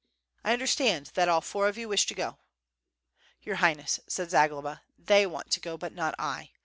"I understand that alL four of you wish to go." "Your Highness," said Zagloba, "they want to go, but not 1.